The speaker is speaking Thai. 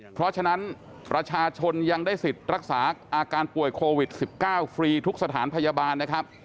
เพราะฉะนั้นประชาชนยังได้สิทธิ์รักษาอาการป่วยโควิด๑๙ฟรีทุกสถานพยาบาลนะครับ